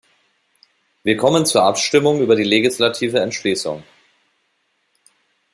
Wir kommen zur Abstimmung über die legislative Entschließung.